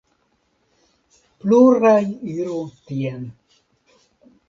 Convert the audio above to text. Pluraj iru tien.